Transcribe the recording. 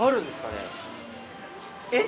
えっ？